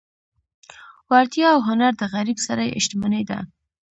وړتیا او هنر د غریب سړي شتمني ده.